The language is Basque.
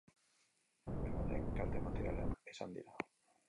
Dena den, kalte materialak izan dira.